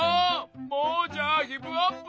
もうじゃあギブアップ！